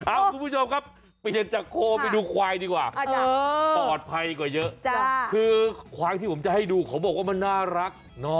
ครับคุณผู้ชมครับ